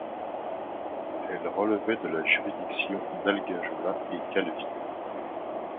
Elle relevait de la juridiction d'Algajola et Calvi.